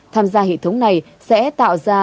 tham gia hệ thống này sẽ tạo ra